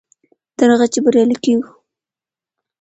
تر هغه چې بریالي کېږو.